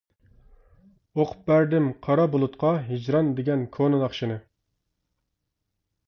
ئۇقۇپ بەردىم قارا بۇلۇتقا، ھىجران دېگەن كونا ناخشىنى.